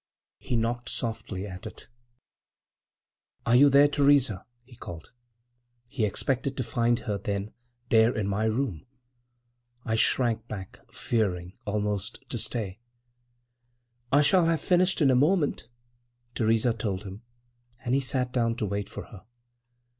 He knocked softly at it "Are you there, Theresa?" he called. He expected to find her, then, there in my room? I shrank back, fearing, almost, to stay. "I shall have finished in a moment," Theresa told him, and he sat down to wait for her.